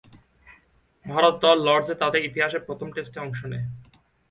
ভারত দল লর্ডসে তাদের ইতিহাসের প্রথম টেস্টে অংশ নেয়।